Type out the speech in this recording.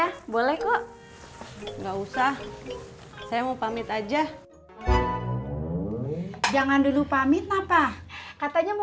ya boleh kok enggak usah saya mau pamit aja jangan dulu pamit apa katanya mau